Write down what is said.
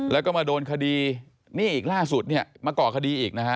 แล้วก็มาโดนคดีนี่อีกล่าสุดเนี่ยมาก่อคดีอีกนะฮะ